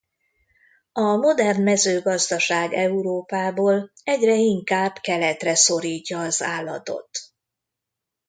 A modern mezőgazdaság Európából egyre inkább keletre szorítja az állatot.